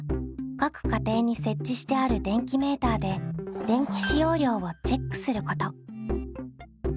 各家庭に設置してある電気メーターで電気使用量をチェックすること。